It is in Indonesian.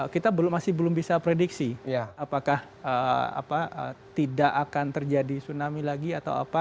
kita masih belum bisa prediksi apakah tidak akan terjadi tsunami lagi atau apa